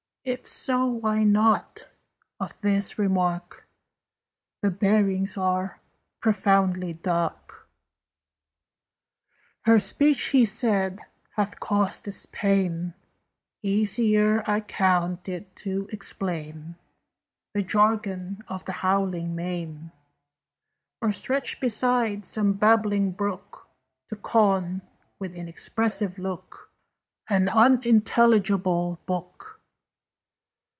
If so, why not? Of this remark The bearings are profoundly dark." "Her speech," he said, "hath caused this pain. Easier I count it to explain The jargon of the howling main, "Or, stretched beside some babbling brook, To con, with inexpressive look, An unintelligible book."